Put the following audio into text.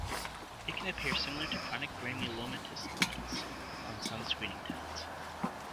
It can appear similar to chronic granulomatous disease on some screening tests.